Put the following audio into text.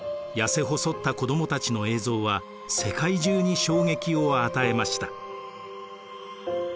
やせ細った子どもたちの映像は世界中に衝撃を与えました。